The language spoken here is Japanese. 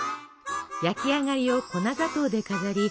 焼き上がりを粉砂糖で飾り